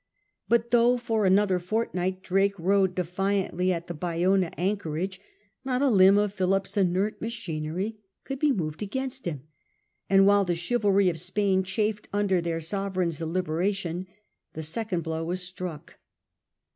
But though for another fortnight Drake rode defiantly at the Bayona anchorage, not a limb of Philip's inert machinery could be moved against him ; and while the chivalry of Spain chafed under their sovereign's deliberation, the second blow was struck.